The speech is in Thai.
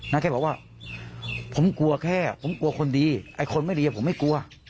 แค่บอกว่าผมกลัวแค่ผมกลัวคนดีไอ้คนไม่ดีผมไม่กลัว